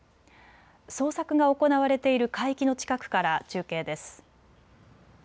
捜索が行われている海域の近くから中継です。